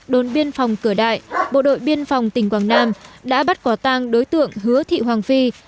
đồn biên phòng cửa đại bộ đội biên phòng tỉnh quảng nam đã bắt quả tang đối tượng hứa thị hoàng phi